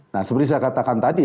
nah seperti saya katakan tadi